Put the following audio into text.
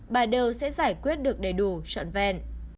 bà đều sẽ giải quyết được đầy đủ trọn vẹn